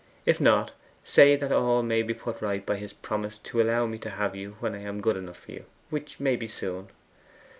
If not, say that all may be put right by his promise to allow me to have you when I am good enough for you which may be soon.